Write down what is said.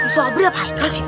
sobrer apa haikal sih